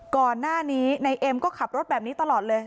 ก่อนหน้านี้ในเอ็มก็ขับรถแบบนี้ตลอดเลย